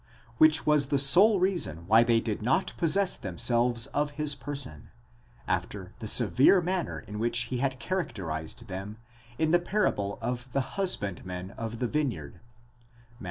which was the sole reason why they did not possess themselves of his person, after the severe manner in which he had characterized them, in the parable of the husbandmen of the vineyard (Matt.